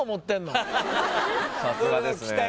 さすがですね。